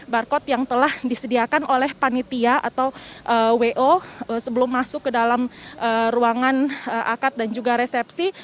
barcode yang telah disediakan oleh panitia atau wo sebelum masuk ke dalam ruangan akad dan juga resepsi